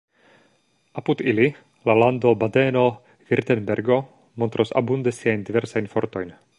Apud ili la lando Badeno-Virtenbergo montros abunde siajn diversajn fortojn.